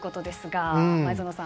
前園さん。